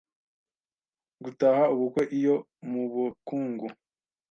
gutaha ubukwe iyo mu bakungu,